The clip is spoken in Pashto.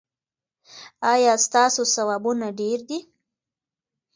ایا ستاسو ثوابونه ډیر دي؟